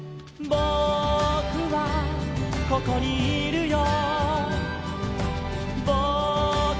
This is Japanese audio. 「ぼくはここにいるよ」